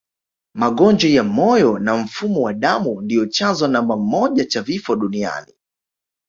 Magonjwa ya moyo na mfumo wa damu ndio chanzo namba moja cha vifo duniani